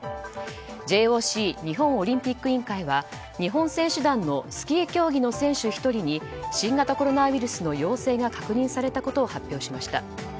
ＪＯＣ・日本オリンピック委員会は日本選手団のスキー競技の選手１人に新型コロナウイルスの陽性が確認されたことを発表しました。